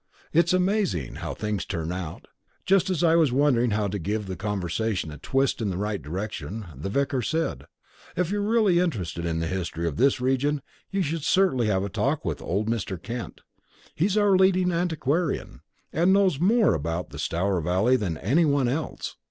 It's amazing how things turn out: just as I was wondering how to give the conversation a twist in the right direction, the vicar said: "If you're really interested in the history of this region you should certainly have a talk with old Mr. Kent. He's our leading antiquarian, and knows more about the Stour Valley than any one else.